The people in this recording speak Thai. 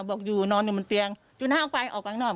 บอกอยู่นอนอยู่บนเตียงจูน้ำออกไปออกไปข้างนอก